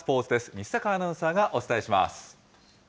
西阪アナウンサーがお伝えします。